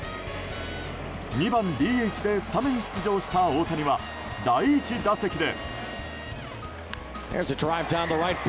２番ＤＨでスタメン出場した大谷は第１打席で。